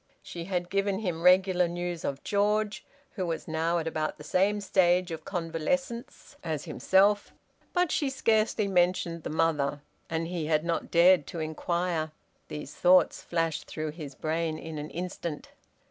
She had given him regular news of George, who was now at about the same stage of convalescence as himself, but she scarcely mentioned the mother, and he had not dared to inquire. These thoughts flashed through his brain in an instant.